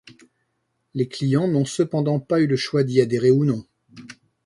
Les clients n'ont cependant pas eu le choix d'y adhérer ou non.